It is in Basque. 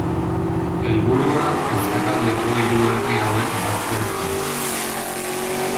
Helburua ezkerraldeko hiru herri hauek batzea zen.